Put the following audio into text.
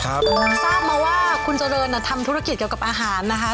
ทราบมาว่าคุณเจริญทำธุรกิจเกี่ยวกับอาหารนะคะ